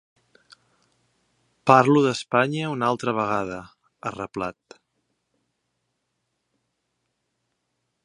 Parlo d’Espanya una altra vegada, ha reblat.